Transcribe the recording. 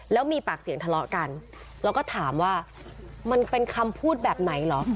แล้วมีปากเสียงทะเลาะกันแล้วก็ถามว่ามันเป็นคำพูดแบบไหนเหรอ